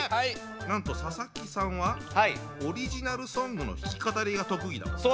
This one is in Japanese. なんと佐々木さんはオリジナルソングの弾き語りが得意なんですか？